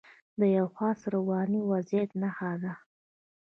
د یوه خاص رواني وضعیت نښه ده.